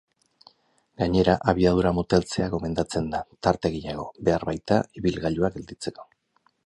Gainera, abiadura moteltzea gomendatzen da, tarte gehiago behar baita ibilgailua gelditzeko.